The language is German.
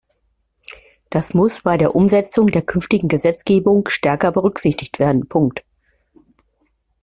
Das muss bei der Umsetzung der künftigen Gesetzgebung stärker berücksichtigt werden.